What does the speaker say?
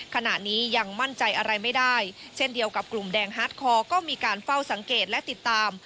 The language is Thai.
ขณะนี้ยังมั่นใจอะไรไม่ได้เช่นเดียวกับกลุ่มแดงฮาร์ดคอร์ก็มีการเฝ้าสังเกตและติดตาม